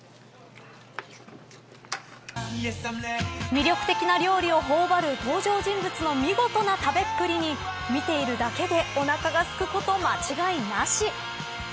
魅力的な料理をほおばる登場人物の見事な食べっぷりに見ているだけでおなかがすくこと間違いなし。